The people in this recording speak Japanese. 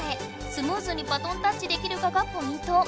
スムーズにバトンタッチできるかがポイント。